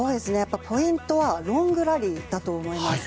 ポイントはロングラリーだと思います。